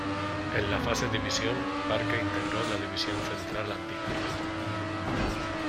En la Fase División, Parque integró la división Central Andina.